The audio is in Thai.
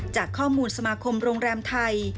จากข้อมูลสมาคมโรงแรมไทย